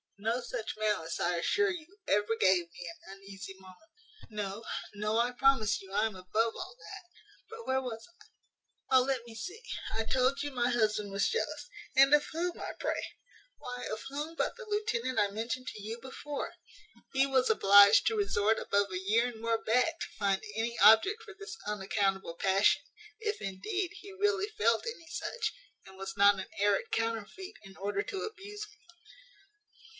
No such malice, I assure you, ever gave me an uneasy moment. No, no, I promise you I am above all that. But where was I? O let me see, I told you my husband was jealous And of whom, I pray? Why, of whom but the lieutenant I mentioned to you before! He was obliged to resort above a year and more back to find any object for this unaccountable passion, if, indeed, he really felt any such, and was not an arrant counterfeit in order to abuse me.